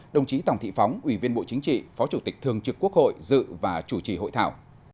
đồng chí tòng thị phóng ủy viên bộ chính trị phó chủ tịch thường trực quốc hội dự và chủ trì hội thảo